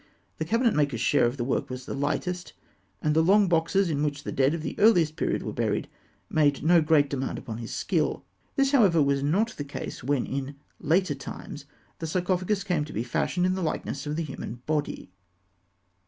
The cabinet maker's share of the work was the lightest, and the long boxes in which the dead of the earliest period were buried made no great demand upon his skill. This, however, was not the case when in later times the sarcophagus came to be fashioned in the likeness of the human body.